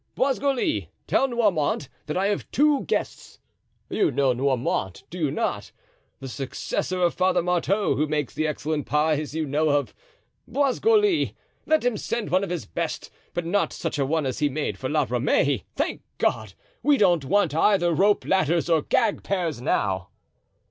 Boisgoli, tell Noirmont that I have two guests. You know Noirmont, do you not? The successor of Father Marteau who makes the excellent pies you know of. Boisgoli, let him send one of his best, but not such a one as he made for La Ramee. Thank God! we don't want either rope ladders or gag pears now."